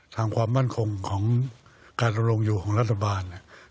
ความมั่นคงของการดำรงอยู่ของรัฐบาล